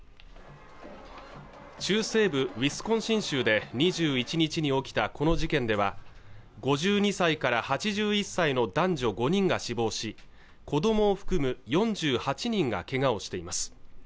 中西部ウィスコンシン州で２１日に起きたこの事件では５２歳から８１歳の男女５人が死亡し子どもを含む４８人がけがをしています